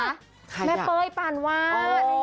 แม่เป้าไปปานว้าง